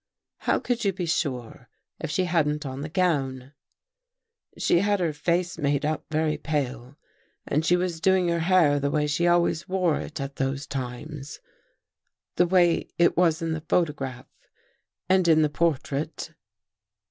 " How could you be sure, if she hadn't on the gown? "" She had her face made up very pale and she was doing her hair the way she always wore it at those times. The way it was in the photograph and in the portrait."